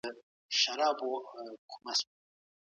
ایا مسلکي بڼوال وچ توت اخلي؟